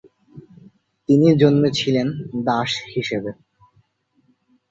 তিনি জন্মেছিলেন দাস হিসেবে।